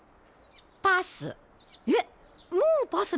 パス。